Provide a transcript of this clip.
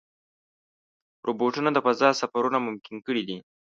روبوټونه د فضا سفرونه ممکن کړي دي.